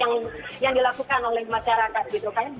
jadi mereka juga sangat banyak lagi berkongsi dengan masyarakat gitu kan